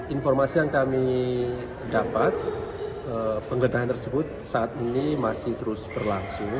informasi yang kami dapat penggeledahan tersebut saat ini masih terus berlangsung